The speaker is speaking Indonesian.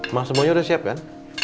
emang semuanya udah siap kan